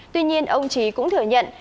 tuy nhiên ông trí cũng thừa nhận